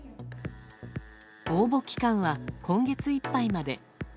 応募期間は今月いっぱいまで。